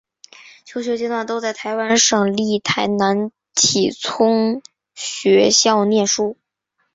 求学阶段都在台湾省立台南启聪学校念书。